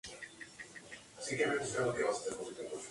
Al mes siguiente, se cae durante la Vuelta al País Vasco.